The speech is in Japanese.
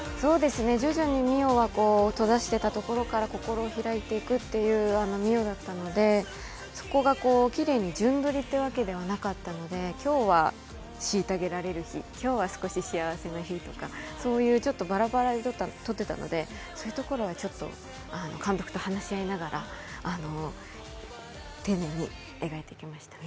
徐々に美世は心を閉ざしていたところから明るくなっていく美世だったのでそこがきれいに順撮りというわけではなかったので今日はしいたげられる日、今日は少し幸せな日とか、そういうちょっとバラバラに撮っていたので、そういうところは監督と話し合いながら丁寧に描いていきましたね。